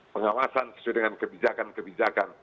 pengawasan sesuai dengan kebijakan kebijakan